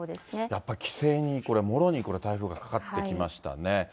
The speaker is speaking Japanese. やっぱり帰省にこれ、もろに台風がかかってきましたね。